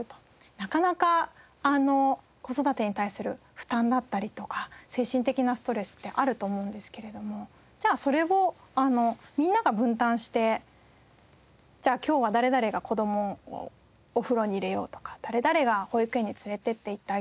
なかなか子育てに対する負担だったりとか精神的なストレスってあると思うんですけれどもそれをみんなが分担してじゃあ今日は誰々が子供をお風呂に入れようとか誰々が保育園に連れて行ってあげようと。